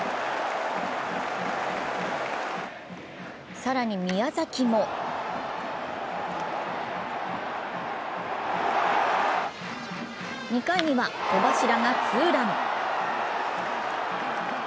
更に宮崎も２回には戸柱がツーラン。